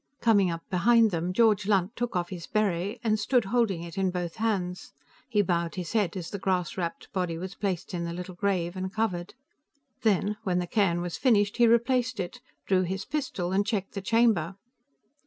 Coming up behind them, George Lunt took off his beret and stood holding it in both hands; he bowed his head as the grass wrapped body was placed in the little grave and covered. Then, when the cairn was finished, he replaced it, drew his pistol and checked the chamber.